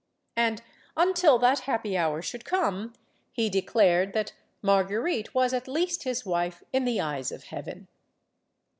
And, until that happy hour should come, he declared that Marguerite was at least his wife in the eyes of Heaven.